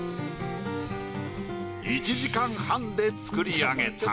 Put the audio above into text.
１時間半で作り上げた。